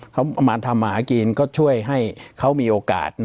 เขามาทำอาหารกินก็ช่วยให้เขามีโอกาส